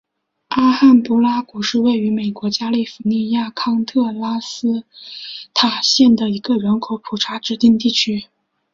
阿罕布拉谷是位于美国加利福尼亚州康特拉科斯塔县的一个人口普查指定地区。